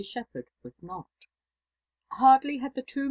Shiipherd waa not. Hardly had Uie twe.